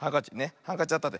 ハンカチあったって。